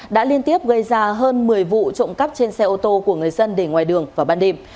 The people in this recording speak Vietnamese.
đã liên tiếp gây ra hơn một mươi vụ trộm cắp trên xe ô tô của người dân để ngoài đường vào ban đêm